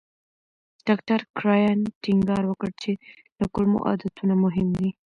ډاکټر کرایان ټینګار وکړ چې د کولمو عادتونه مهم دي.